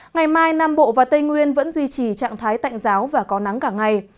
ngày mai nam bộ và tây nguyên vẫn duy trì trạng thái tạnh giáo và có nắng cả ngày